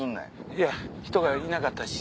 いや人がいなかったし。